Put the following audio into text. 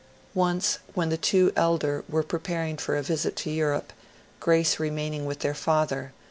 Once when the two elder were preparing for a visit to Europe, Grace remaining with their father.